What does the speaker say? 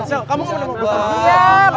kamu kamu mau menangiays kenapa